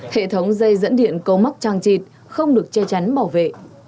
hệ thống dây dẫn điện cấu mắc trang trịt không được che chắn bảo vệ